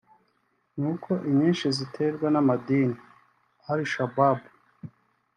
nuko inyinshi ziterwa n’amadini (Al Shabab